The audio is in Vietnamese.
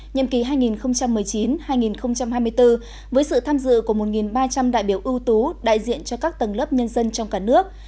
nhiệm kỳ hai nghìn một mươi chín hai nghìn hai mươi bốn với sự tham dự của một ba trăm linh đại biểu ưu tú đại diện cho các tầng lớp nhân dân trong cả nước